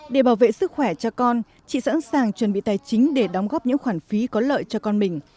để bảo vệ sức khỏe cho con chị sẵn sàng chuẩn bị tài chính để đóng góp những khoản phí có lợi cho con mình